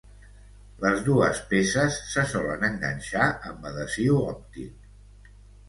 Les dues peces se solen enganxar amb adhesiu òptic.